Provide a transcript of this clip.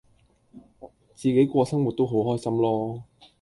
自己過生活都好開心囉